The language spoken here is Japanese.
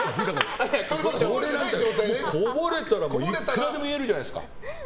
こぼれたらいくらでも言えるじゃないですか。